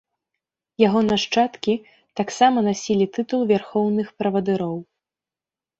Яго нашчадкі таксама насілі тытул вярхоўных правадыроў.